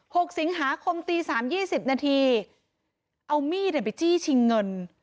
หกสิงหาคมตีสามยี่สิบนาทีเอามีดเนี่ยไปจี้ชิงเงิน